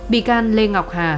bị can lê ngọc hà